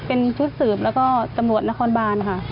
เป็นชุดสืบแล้วก็ตำรวจนครบานค่ะ